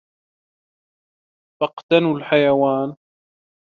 فَاقْتَنَوْا الْحَيَوَانَ